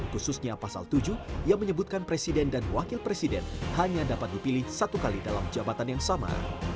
khususnya pasal tujuh yang menyebutkan presiden dan wakil presiden hanya dapat dipilih satu kali dalam jabatan yang sama